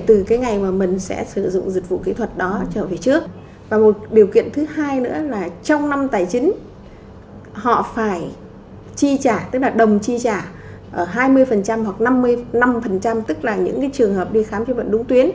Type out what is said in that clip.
tức là những trường hợp đi khám chế bệnh đúng tuyến